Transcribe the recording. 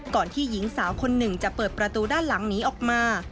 ที่หญิงสาวคนหนึ่งจะเปิดประตูด้านหลังหนีออกมา